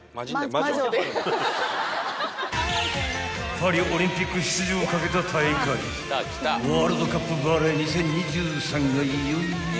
［パリオリンピック出場を懸けた大会ワールドカップバレー２０２３がいよいよ開幕へ］